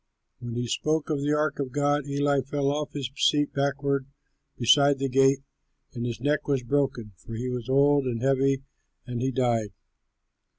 When he spoke of the ark of God, Eli fell off his seat backward beside the gate, and his neck was broken, for he was old and heavy, and he died.